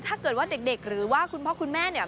ถ้าเกิดว่าเด็กหรือว่าคุณพ่อคุณแม่เนี่ย